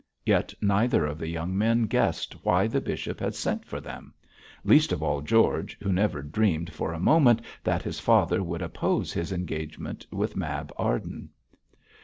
Yet neither of the young men guessed why the bishop had sent for them; least of all George, who never dreamed for a moment that his father would oppose his engagement with Mab Arden.